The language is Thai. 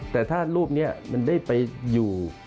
แต่ถ้ารูปนี้มันได้ไปอยู่